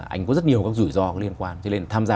anh có rất nhiều rủi ro liên quan thế nên tham gia